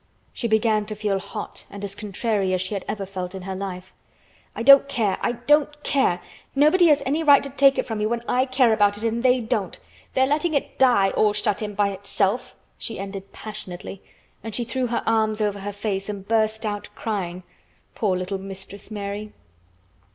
She began to feel hot and as contrary as she had ever felt in her life. "I don't care, I don't care! Nobody has any right to take it from me when I care about it and they don't. They're letting it die, all shut in by itself," she ended passionately, and she threw her arms over her face and burst out crying—poor little Mistress Mary.